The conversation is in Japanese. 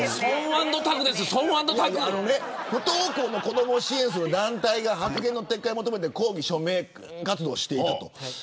不登校の子どもを支援する団体が発言の撤回を求めて抗議署名活動をしていた。